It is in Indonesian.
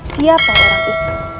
siapa orang itu